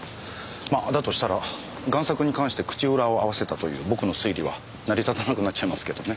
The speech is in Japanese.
だとしたら贋作に関して口裏を合わせたという僕の推理は成り立たなくなっちゃいますけどね。